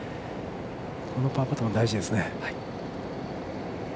このパーパットも大事ですね。